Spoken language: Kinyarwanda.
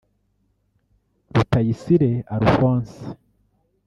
Rutayisire Alphonse